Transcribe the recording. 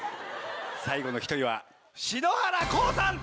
最後の１人は篠原光さん！